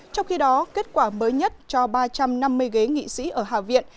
trong khi đó kết quả mới nhất cho ba trăm năm mươi ghế nghị sĩ ở hạ viện